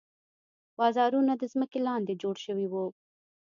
بازارونه د ځمکې لاندې جوړ شوي وو.